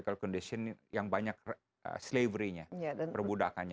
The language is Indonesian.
ibas dari kondisi sejarah yang banyak perbudakannya